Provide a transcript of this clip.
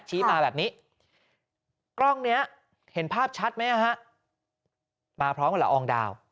ชี้มาแบบนี้กล้องเนี้ยเห็นภาพชัดไหมฮะมาพร้อมกับละอองดาว